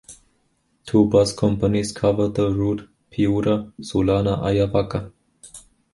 Two bus companies cover the route Piura-Sullana-Ayavaca.